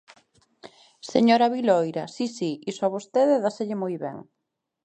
Señora Viloira, si, si, iso a vostede dáselle moi ben.